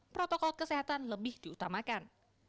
protokol kesehatan lebih diutamakan